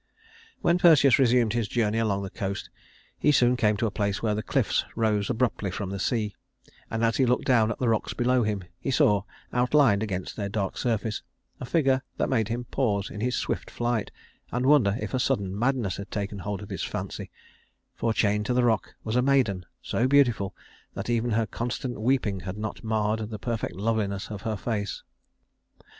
When Perseus resumed his journey along the coast, he soon came to a place where the cliffs rose abruptly from the sea; and as he looked down at the rocks below him, he saw, outlined against their dark surface, a figure that made him pause in his swift flight, and wonder if a sudden madness had taken hold on his fancy; for chained to the rock was a maiden so beautiful that even her constant weeping had not marred the perfect loveliness of her face.